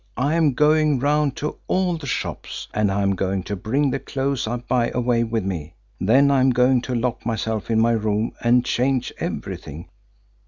I am going round to all the shops, and I am going to bring the clothes I buy away with me. Then I am going to lock myself in my room and change everything.